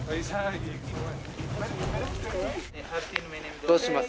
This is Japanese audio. どうします？